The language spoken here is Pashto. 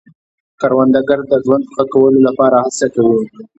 کروندګر د ژوند ښه کولو لپاره هڅه کوي